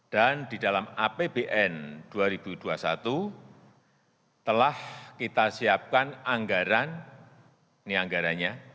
dan di dalam apbn dua ribu dua puluh satu telah kita siapkan anggaran ini anggarannya